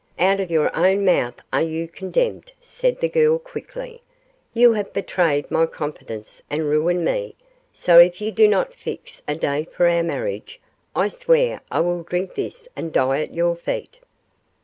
'Out of your own mouth are you condemned,' said the girl, quickly; 'you have betrayed my confidence and ruined me, so if you do not fix a day for our marriage, I swear I will drink this and die at your feet.